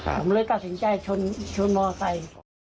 ผมเลยตัดสินใจชนมอไซค์